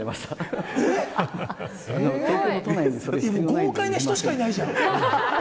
豪快な人しかいないじゃん。